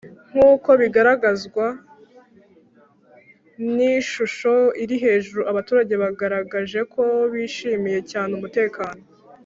Nk uko bigaragzwa n ishusho iri hejuru abaturage bagaragaje ko bishimiye cyane umutekano